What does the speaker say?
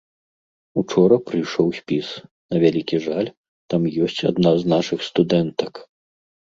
Учора прыйшоў спіс, на вялікі жаль, там ёсць адна з нашых студэнтак.